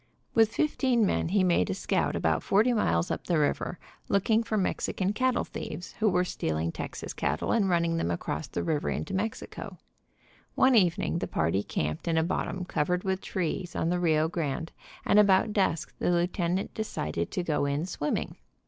With fifteen men he made a scout about forty miles up the river looking for Mexican cattle thieves who were 38 UNUSUAL HUNTING EXPERIENCE stealing Texas cattle and running them across the river into Mexico. One evening the party camped in a bottom covered with trees on the Rio Grande, and about dusk the lieutenant decided to go in swim ming.